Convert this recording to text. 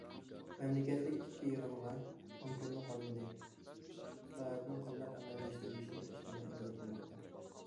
مەملىكەتلىك ئىككى يىغىنغا ئون كۈنمۇ قالمىدى، ئىسلاھاتنىڭ قانداق ئەمەلىيلەشتۈرۈلۈشى كىشىلەرنى ئىنتىزار قىلماقتا.